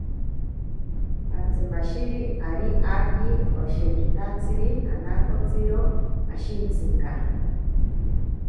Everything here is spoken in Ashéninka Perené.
Atsimashiri ari aaki oshekitatsiri anakotsiro ashintsinka.